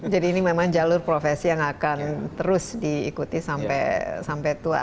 ini memang jalur profesi yang akan terus diikuti sampai tua